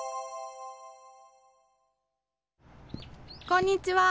こんにちは。